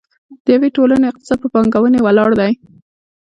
د یوې ټولنې اقتصاد په پانګونې ولاړ دی.